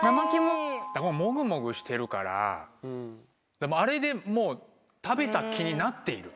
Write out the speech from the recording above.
もぐもぐしてるからあれでもう食べた気になっている。